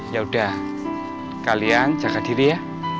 ya udah kalian jaga diri ya